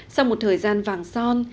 sau một thời gian vàng son